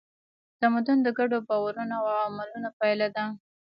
تمدن د ګډو باورونو او عملونو پایله ده.